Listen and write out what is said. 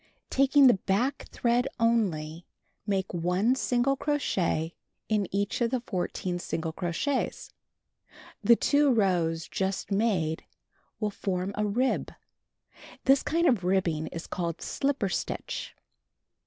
Taking the back thread only, make 1 single crochet in each of the 14 single crochets. The two rows just made will form a rib. This kind of rib is called "slipper stitch."